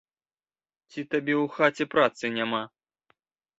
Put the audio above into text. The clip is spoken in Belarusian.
Ці табе ў хаце працы няма?